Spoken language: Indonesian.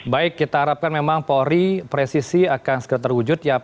baik kita harapkan memang polri presisi akan segera terwujud ya